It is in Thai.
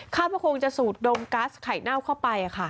คาดพระคงจะสูดดมกัสไข่เน่าเข้าไปค่ะ